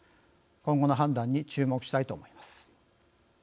今後の判断に注目したいと思います。